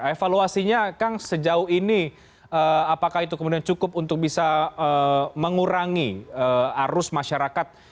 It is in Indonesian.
evaluasinya kang sejauh ini apakah itu kemudian cukup untuk bisa mengurangi arus masyarakat